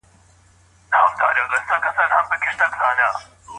د توکو تولید به په راتلونکي کي زیات سي.